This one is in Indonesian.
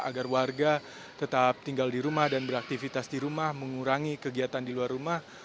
agar warga tetap tinggal di rumah dan beraktivitas di rumah mengurangi kegiatan di luar rumah